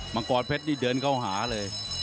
มังกรเพชรนี่เดินเข้าหาเลย